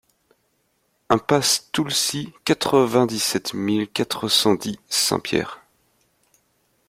Impasse Toolsy, quatre-vingt-dix-sept mille quatre cent dix Saint-Pierre